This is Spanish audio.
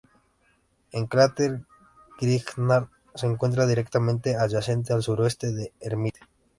El cráter Grignard se encuentra directamente adyacente al suroeste de Hermite.